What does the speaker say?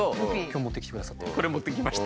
これ持ってきました。